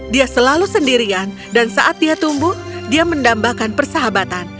dia selalu sendirian dan saat dia tumbuh dia mendambakan persahabatan